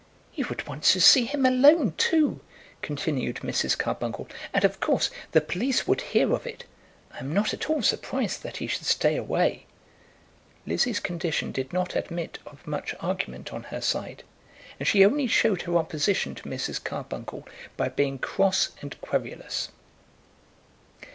"You would want to see him alone, too," continued Mrs. Carbuncle, "and, of course, the police would hear of it. I am not at all surprised that he should stay away." Lizzie's condition did not admit of much argument on her side, and she only showed her opposition to Mrs. Carbuncle by being cross and querulous.